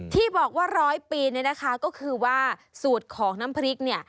ที่บอกว่าร้อยปีเนี่ยนะคะก็คือว่าสูตรของน้ำพริกเนี่ย